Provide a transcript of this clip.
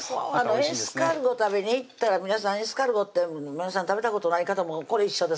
エスカルゴ食べに行ったら皆さんエスカルゴって食べたことない方もこれ一緒です